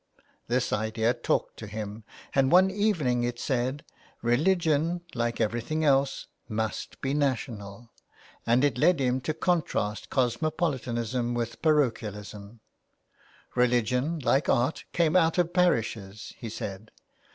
This idea talked to him, and, one evening, it said, *' Religion, like everything else, must be national," and it led him to contrast cosmopolitanism with parochialism. '' Religion, like art, came out of parishes," he said.